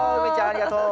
ありがとう！